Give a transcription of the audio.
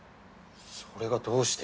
それがどうして。